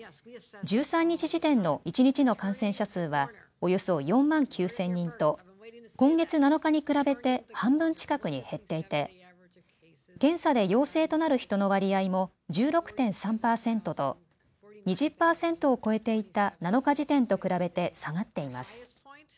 １３日時点の一日の感染者数はおよそ４万９０００人と今月７日に比べて半分近くに減っていて検査で陽性となる人の割合も１６．３％と２０％を超えていた７日時点と比べて下がっています。